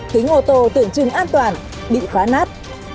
kính ô tô tượng trưng an toàn bị khóa nát